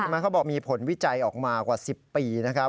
เขาบอกมีผลวิจัยออกมากว่า๑๐ปีนะครับ